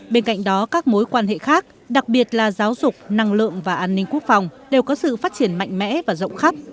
bên cạnh đó các mối quan hệ khác đặc biệt là giáo dục năng lượng và an ninh quốc phòng đều có sự phát triển mạnh mẽ và rộng khắp